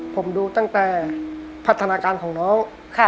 ผมดูตั้งแต่พัฒนาการของน้อง